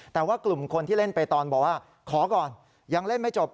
แต่ว่ากลุ่มคนที่เล่นไปตอนบอกว่าขอก่อนยังเล่นไม่จบ